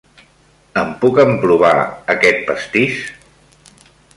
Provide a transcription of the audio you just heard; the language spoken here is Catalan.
Em puc emprovar aquest pastís?